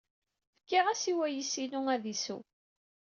Fkiɣ-as i wayis-inu ad isew.